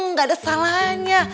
gak ada salahannya